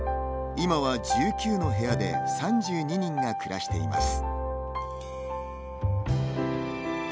今は１９の部屋で３２人が暮らしています。